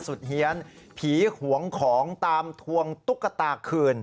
เฮียนผีหวงของตามทวงตุ๊กตาคืน